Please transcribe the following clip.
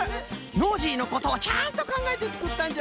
ノージーのことをちゃんとかんがえてつくったんじゃな。